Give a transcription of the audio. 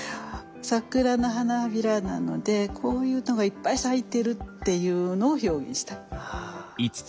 桜の花びらなのでこういうのがいっぱい咲いてるっていうのを表現したい。